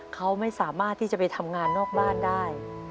เขาไม่สามารถที่จะไปทำงานนอกบ้านได้